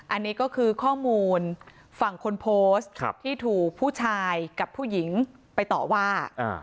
อันนี้ก็คือข้อมูลฝั่งคนโพสต์ที่ถูกผู้ชายกับผู้หญิงไปต่อว่า